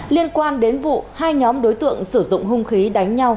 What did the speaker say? liên quan đến vụ hai nhóm đối tượng sử dụng hung khí đánh nhau